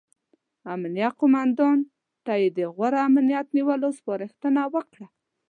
امنیه قوماندان ته یې د غوره امنیت نیولو سپارښتنه وکړه.